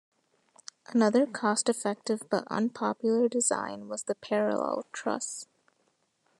Another cost-effective but unpopular design was the parallel truss.